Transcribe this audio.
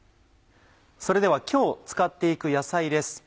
それでは今日使って行く野菜です。